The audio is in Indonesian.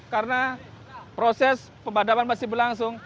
karena proses pemadaman masih berlangsung